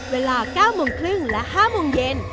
เวลา๙โมงครึ่งและ๕โมงเย็น